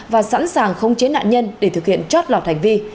và sẵn sàng khống chế nạn nhân để thực hiện chót lọt hành vi